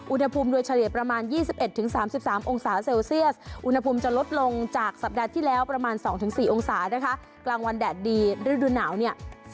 อุณหภูมิโดยเฉลี่ยประมาณ๒๑๓๓องศาเซลเซียส